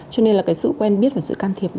cho nên sự quen biết và sự can thiệp